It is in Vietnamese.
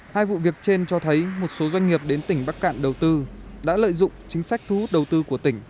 hai vụ việc trên cho thấy một số doanh nghiệp đến tỉnh bắc cạn đầu tư đã lợi dụng chính sách thu hút đầu tư của tỉnh